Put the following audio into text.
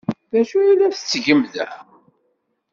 D acu ay la tettgem da?